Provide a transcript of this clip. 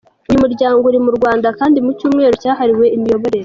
Uyu muryango uri mu Rwanda kandi mu “cyumweru cyahariwe imiyoborere”.